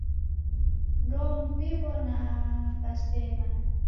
Ndomuw'iwo'nagha sena.